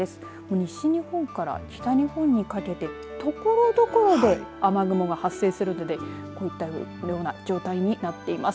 西日本から北日本にかけてところどころで雨雲が発生するのでこういったような状態になっています。